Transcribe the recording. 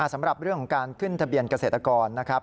สำหรับเรื่องของการขึ้นทะเบียนเกษตรกรนะครับ